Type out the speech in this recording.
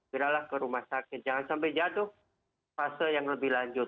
bilalah ke rumah sakit jangan sampai jatuh fase yang lebih lanjut